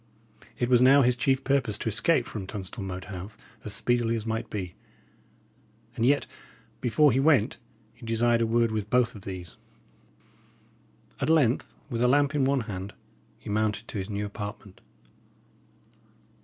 It was now his chief purpose to escape from Tunstall Moat House as speedily as might be; and yet, before he went, he desired a word with both of these. At length, with a lamp in one hand, he mounted to his new apartment.